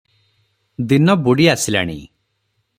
ଦିନ ବୁଡ଼ିଆସିଲାଣି ।